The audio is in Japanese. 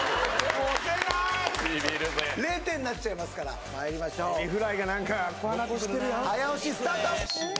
０点になっちゃいますからまいりましょうエビフライが何か怖なってくるな残してるよ